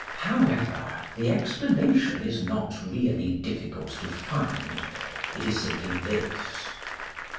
However, the explanation is not really difficult to find. It is simply this.